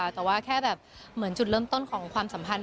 กลับไปแค่แบบของจุดเริ่มต้นของความสัมพันธ์